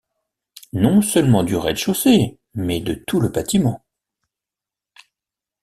Non seulement du rez-de-chaussée, mais de tout le bâtiment.